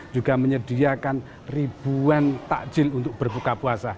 juga menyediakan ribuan takjil untuk berbuka puasa